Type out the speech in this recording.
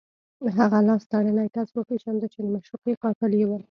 هغه لاس تړلی کس وپېژنده چې د معشوقې قاتل یې و